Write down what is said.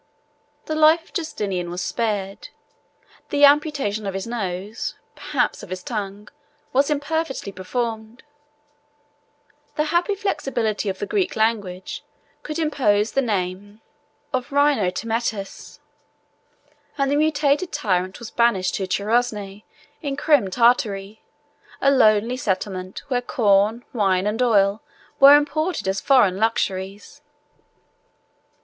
The life of Justinian was spared; the amputation of his nose, perhaps of his tongue, was imperfectly performed: the happy flexibility of the Greek language could impose the name of Rhinotmetus; and the mutilated tyrant was banished to Chersonae in Crim Tartary, a lonely settlement, where corn, wine, and oil, were imported as foreign luxuries.